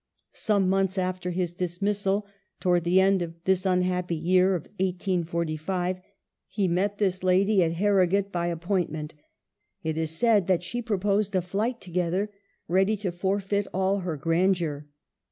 Some months after his dismissal, towards the end of this unhappy year of 1845, ^ e met this lady at Harrogate by appointment. It is said that she proposed a flight together, ready to forfeit all her grandeur.